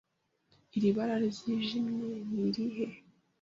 Iri bara ryijimye ni irihe?